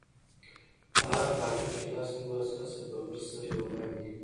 په هر پاټک کښې لس دولس کسه ببر سري ولاړ دي.